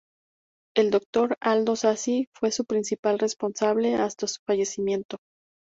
El doctor Aldo Sassi fue su principal responsable hasta su fallecimiento.